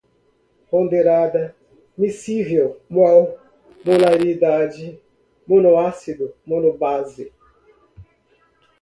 ponderada, miscível, mol, molaridade, monoácido, monobase